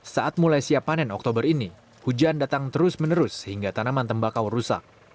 saat mulai siap panen oktober ini hujan datang terus menerus hingga tanaman tembakau rusak